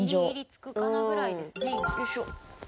よいしょ。